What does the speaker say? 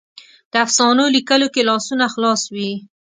د افسانو لیکلو کې لاسونه خلاص وي.